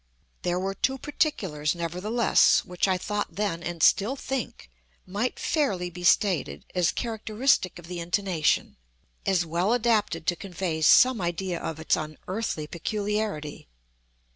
There were two particulars, nevertheless, which I thought then, and still think, might fairly be stated as characteristic of the intonation—as well adapted to convey some idea of its unearthly peculiarity.